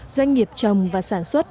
doanh nghiệp trồng và sản xuất